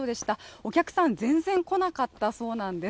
お客さん、全然来なかったそうなんです。